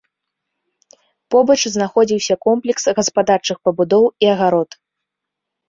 Побач знаходзіўся комплекс гаспадарчых пабудоў і агарод.